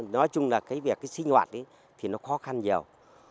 nói chung là cái việc cái sinh hoạt thì nó khó khăn nhiều